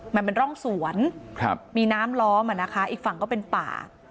มันเป็นร่องสวนมีน้ำล้อมอีกฝั่งก็เป็นป่า